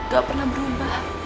gak pernah berubah